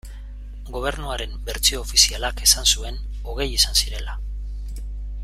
Gobernuaren bertsio ofizialak esan zuen hogei izan zirela.